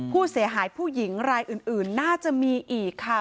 ผู้เสียหายผู้หญิงรายอื่นน่าจะมีอีกค่ะ